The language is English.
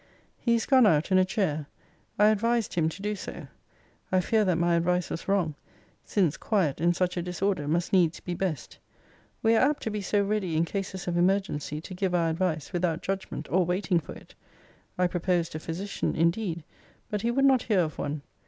He is gone out in a chair. I advised him to do so. I fear that my advice was wrong; since quiet in such a disorder must needs be best. We are apt to be so ready, in cases of emergency, to give our advice, without judgment, or waiting for it! I proposed a physician indeed; but he would not hear of one.